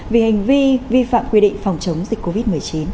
vì hành vi vi phạm quy định phòng chống dịch covid một mươi chín